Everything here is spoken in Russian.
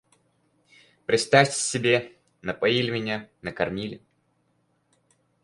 Представьте себе, напоили меня, накормили.